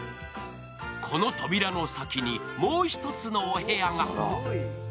この扉の先に、もう１つのお部屋が。